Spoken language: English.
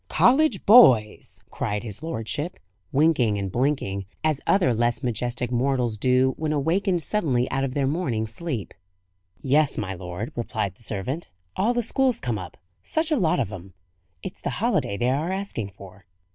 "College boys!" cried his lordship, winking and blinking, as other less majestic mortals do when awakened suddenly out of their morning sleep. "Yes, my lord," replied the servant. "All the school's come up; such a lot of 'em! It's the holiday they are asking for."